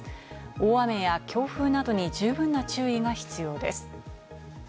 大雨や強風などに十分な注意が必要です。